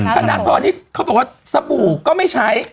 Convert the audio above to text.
ธนทรนี้เขาบอกว่าสบู่ก็ไม่ใช้